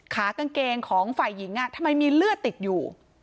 ขากางเกงของฝ่ายหญิงทำไมมีเลือดติดอยู่